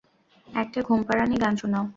একটা ঘুমপাড়ানি গান শোনাও।